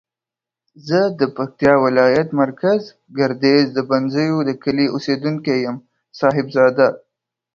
زه د پکتیاولایت مرکز ګردیز د بنزیو دکلی اوسیدونکی یم صاحب زاده